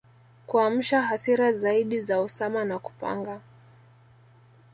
kuamsha hasira zaidi za Osama na kupanga